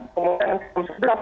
kemudian yang jam sepuluh